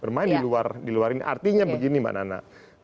bermain di luar ini artinya begini mbak nana